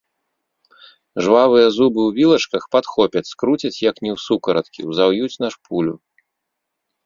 Жвавыя зубы ў вілачках падхопяць, скруцяць як ні ў сукараткі, узаўюць на шпулю.